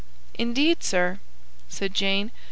"Indeed, sir," said Jane.